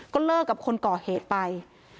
ก็เลิกกับคนก่อเหตุไป